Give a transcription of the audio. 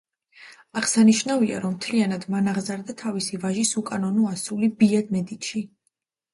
აღსანიშნავია, რომ მთლიანად მან აღზარდა თავისი ვაჟის უკანონო ასული ბია მედიჩი.